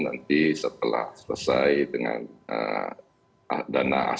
nanti setelah selesai dengan dana asli